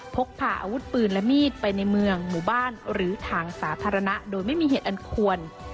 พกพาอาวุธปืนและมีดไปในเมืองหมู่บ้านหรือทางสาธารณะโดยไม่มีเหตุอันควร